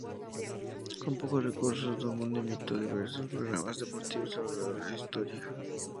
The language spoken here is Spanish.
Con pocos recursos, DuMont emitió diversos programas deportivos a lo largo de su historia.